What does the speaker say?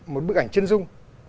một bức ảnh chân dung